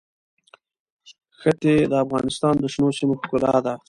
ښتې د افغانستان د شنو سیمو ښکلا ده.